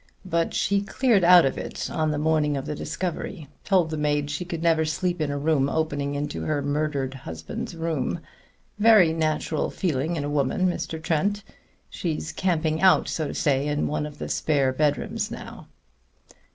But she cleared out of it on the morning of the discovery told the maid she could never sleep in a room opening into her murdered husband's room. Very natural feeling in a woman, Mr. Trent. She's camping out, so to say, in one of the spare bedrooms now."